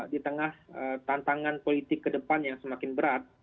di tengah tantangan politik ke depan yang semakin berat